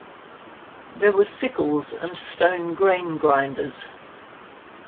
There were sickles and stone grain grinders.